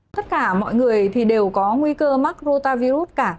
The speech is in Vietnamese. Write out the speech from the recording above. tất cả mọi người đều có nguy cơ mắc rô ta virus cả